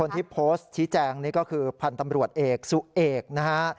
ที่โพสต์ชี้แจงนี่ก็คือพันธ์ตำรวจเอกสุเอกนะฮะ